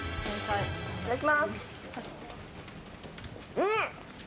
いただきます。